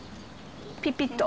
ピピッと。